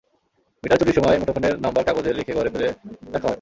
Metre চুরির সময় মুঠোফোনের নম্বর কাগজে লিখে ঘরে ফেলে রাখা হয়।